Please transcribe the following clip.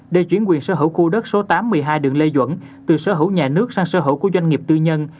để chuyển quyền sở hữu khu đất số tám một mươi hai đường lê duẩn từ sở hữu nhà nước sang sở hữu của doanh nghiệp tư nhân